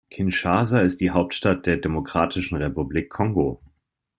Kinshasa ist die Hauptstadt der Demokratischen Republik Kongo.